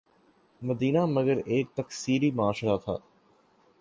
مدینہ مگر ایک تکثیری معاشرہ تھا۔